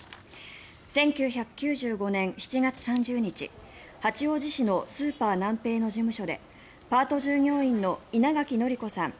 １９９５年７月３０日八王子市のスーパーナンペイの事務所でパート従業員の稲垣則子さん